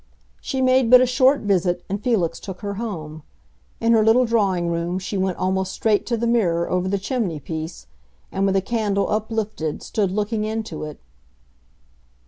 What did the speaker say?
She made but a short visit and Felix took her home. In her little drawing room she went almost straight to the mirror over the chimney piece, and, with a candle uplifted, stood looking into it.